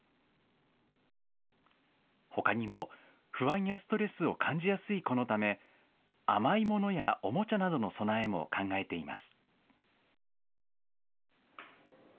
ほかにも不安やストレスを感じやすい子のため甘いものやおもちゃなどの備えも考えています。